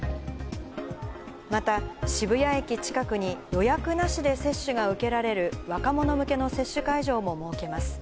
また、渋谷駅近くに、予約なしで接種が受けられる若者向けの接種会場も設けます。